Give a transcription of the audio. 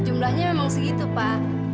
jumlahnya memang segitu pak